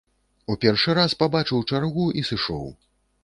У першы раз пабачыў чаргу і сышоў.